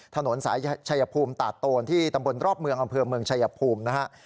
ถนนสายชายภูมิตาดโตนที่ตำบลรอบเมืองอำเภอเมืองชายภูมินะฮะ